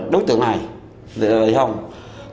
đối tượng này là y hồng buôn giá